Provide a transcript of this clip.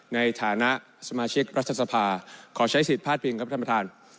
ในฐานะสมาชิกรัฐสภาขอใช้สิทธิพลาดพิงครับท่านประธาน